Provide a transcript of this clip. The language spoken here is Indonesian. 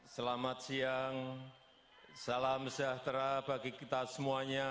selamat siang salam sejahtera bagi kita semuanya